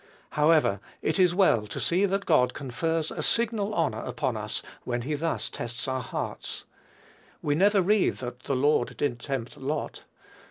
However, it is well to see that God confers a signal honor upon us when he thus tests our hearts. We never read that "the Lord did tempt Lot."